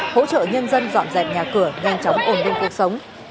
hỗ trợ nhân dân dọn dẹp nhà cửa nhanh chóng ổn định cuộc sống